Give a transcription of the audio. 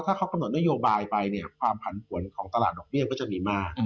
ถ้าเขากำหนดนโยบายไปเนี่ยความผันผวนของตลาดดอกเบี้ยก็จะมีมาก